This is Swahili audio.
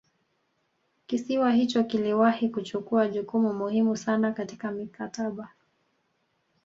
Kisiwa hicho kiliwahi kuchukua jukumu muhimu sana katika mikataba